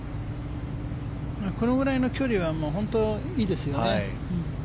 このぐらいの距離は本当にいいですよね。